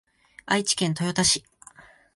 愛知県豊田市